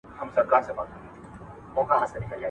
روغتیا د انسان د فزیکي او ذهني ځواک د ساتنې مهم عامل دی.